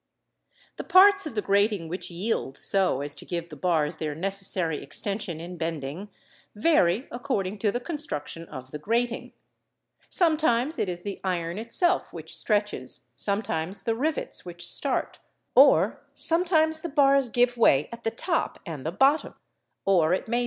The parts of the grating — which yield so as to give the bars their neces — sary extension in bending, vary according to — the construction of the grating: sometimes it ©_ is the iron itself which stretches, sometimes — ie the rivets which start, or sometimes the bars —— give way at the top and the bottom, or it may Fi Fig.